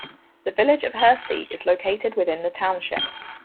The village of Hersey is located within the township.